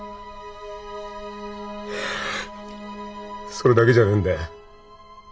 それだけじゃねえんだよ。